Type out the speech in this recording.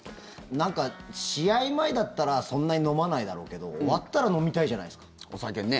なんか、試合前だったらそんなに飲まないだろうけど終わったら飲みたいじゃないですか。